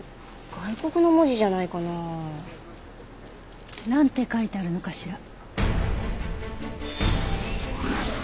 外国の文字じゃないかな。なんて書いてあるのかしら？